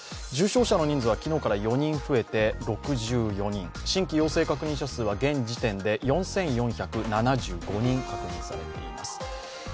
重症者の人数は昨日から４人増えて６４人新規陽性確認者数は現時点で４４７５人確認されています。